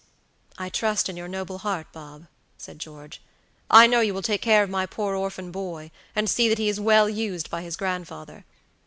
"I trust in your noble heart, Bob," said George. "I know you will take care of my poor orphan boy, and see that he is well used by his grandfather.